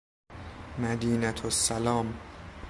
مدینة السلام